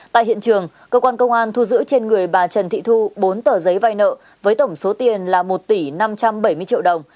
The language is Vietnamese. tại hiện trường cơ quan công an thu giữ trên người bà trần thị thu bốn tờ giấy vai nợ với tổng số tiền là một tỷ năm trăm bảy mươi triệu đồng